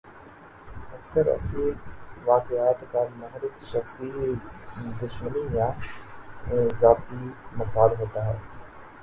اکثر ایسے واقعات کا محرک شخصی دشمنی یا ذاتی مفاد ہوتا ہے۔